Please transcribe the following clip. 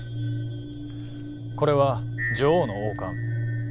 これは女王の王冠。